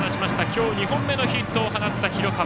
今日２本目のヒットを放った広川。